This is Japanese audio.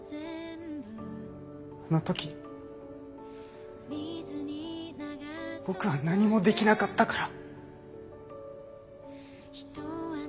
あの時僕は何もできなかったから。